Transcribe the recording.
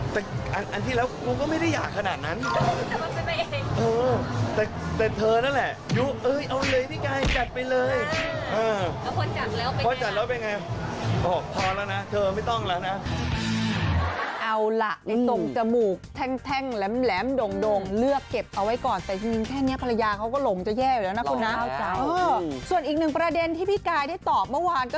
พาลูกมีใบศักดิ์เลยค่ะหลังจากนี้ห้ามใช้ชีวิตฮาร์ดพอแล้ว